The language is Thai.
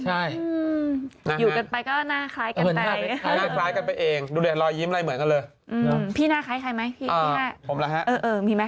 อ่ะโอเคเข้าให้พูดเองนะฮะ